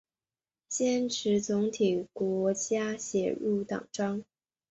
坚持总体国家安全观已纳入新时代坚持和发展中国特色社会主义的基本方略并写入党章